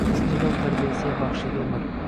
Iste’dod tarbiyasiga baxshida umr